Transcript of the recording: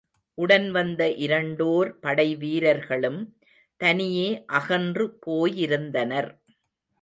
உடன் வந்த இரண்டோர் படை வீரர்களும் தனியே அகன்று போயிருந்தனர்.